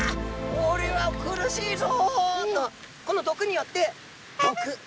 おれは苦しいぞ！」とこの毒によってどく。